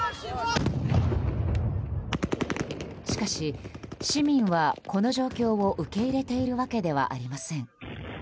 しかし、市民はこの状況を受け入れてるわけではありません。